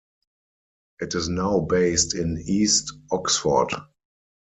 It is now based in east Oxford.